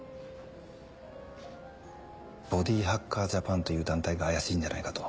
ボディハッカージャパンという団体が怪しいんじゃないかと。